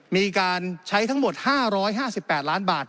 มีการใช้ทั้งหมด๕๕๘ล้านบาท